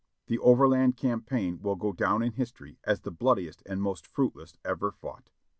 The overland campaign will go down in history as the bloodiest and most fruitless ever fought.